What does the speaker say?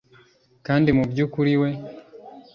kandi mubyukuri we